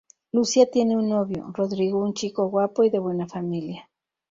Lucía tiene un novio, Rodrigo, un chico guapo y de buena familia.